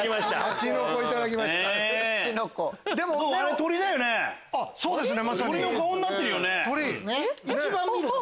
鳥の顔になってるよね。